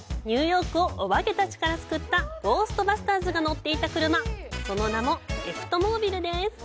ニューヨークをお化けたちから救ったゴーストバスターズが乗っていた車、その名もエクトモービルです。